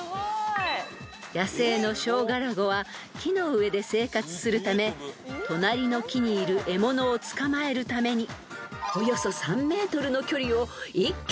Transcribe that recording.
［野生のショウガラゴは木の上で生活するため隣の木にいる獲物を捕まえるために］